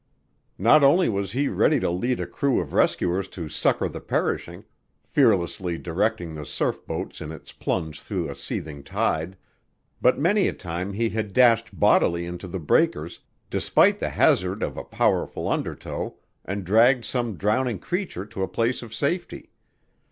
Not only was he ready to lead a crew of rescuers to succor the perishing, fearlessly directing the surfboat in its plunge through a seething tide, but many a time he had dashed bodily into the breakers, despite the hazard of a powerful undertow, and dragged some drowning creature to a place of safety.